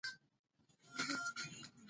کلتور د افغانستان د سیاسي جغرافیه برخه ده.